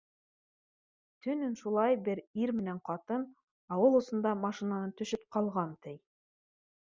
Төнөн шулай бер ир менән ҡатын ауыл осонда машинанан төшөп ҡалған, ти.